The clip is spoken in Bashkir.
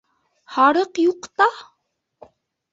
Һарыҡ юҡ та?